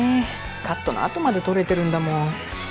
カットのあとまで撮れてるんだもん